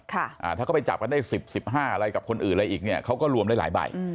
ถ้าเขาไปจับกันได้สิบสิบห้าอะไรกับคนอื่นอะไรอีกเนี่ยเขาก็รวมได้หลายใบ